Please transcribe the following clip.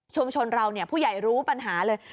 เราเนี่ยผู้ใหญ่รู้ปัญหาเลย